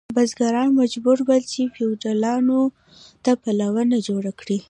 بزګران مجبور ول چې فیوډالانو ته پلونه جوړ کړي.